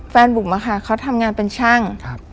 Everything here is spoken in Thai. บุ๋มอะค่ะเขาทำงานเป็นช่าง